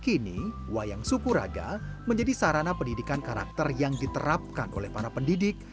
kini wayang sukuraga menjadi sarana pendidikan karakter yang diterapkan oleh para pendidik